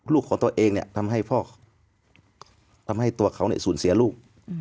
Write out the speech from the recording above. ลูกของตัวเองทำให้ตัวเขาสูญเสียลูก